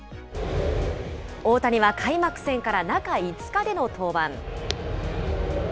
大谷は開幕戦から中５日での登板。